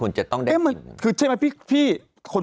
เดตไปแล้วใช่ไหมเนี่ย